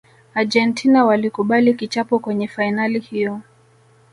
argentina walikubali kichapo kwenye fainali hiyo